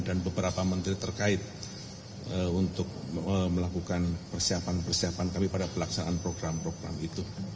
dan beberapa menteri terkait untuk melakukan persiapan persiapan kami pada pelaksanaan program program itu